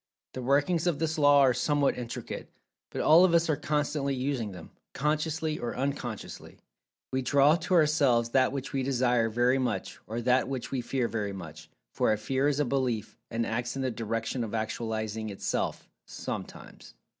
The workings of this Law are somewhat intricate, but all of us are constantly using them, consciously or unconsciously. We draw to ourselves that which we Desire very much, or that which we Fear very much, for a Fear is a Belief, and acts in the direction of actualizing itself, sometimes.